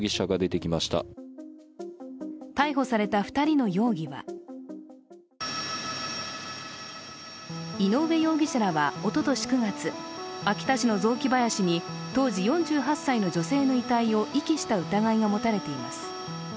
逮捕された２人の容疑は井上容疑者らはおととし９月、秋田市の雑木林に当時４８歳の女性の遺体を遺棄した疑いが持たれています。